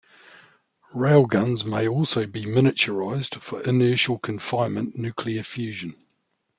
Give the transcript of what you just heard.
Railguns may also be miniaturized for inertial confinement nuclear fusion.